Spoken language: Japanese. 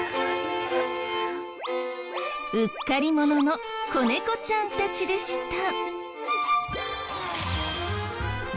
うっかり者の子猫ちゃんたちでした。